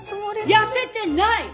痩せてない！